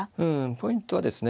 ポイントはですね